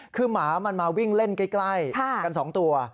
คือหมามันมาวิ่งเล่นใกล้กัน๒ตัว